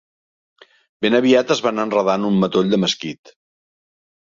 Ben aviat es van enredar en un matoll de mesquit.